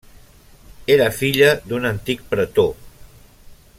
Era filla d'un antic pretor.